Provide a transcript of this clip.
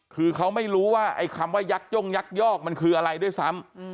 คือเขาไม่รู้ว่าไอ้คำว่ายักย่งยักยอกมันคืออะไรด้วยซ้ำ